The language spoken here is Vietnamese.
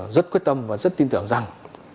rất quyết tâm và rất tin tưởng rằng